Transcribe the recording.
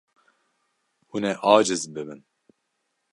Hûn ê aciz bibin.